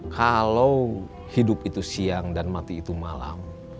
kalau hidup itu siang dan mati itu malam